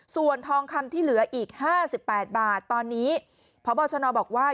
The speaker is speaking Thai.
ส่วนทองคำที่เหลืออีก๕๘บาทตอนนี้พบชนบอกว่า